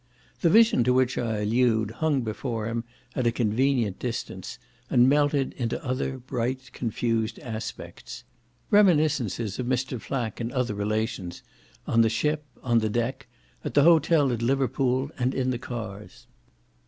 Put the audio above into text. The vision to which I allude hung before him, at a convenient distance, and melted into other bright confused aspects: reminiscences of Mr. Flack in other relations on the ship, on the deck, at the hotel at Liverpool, and in the cars.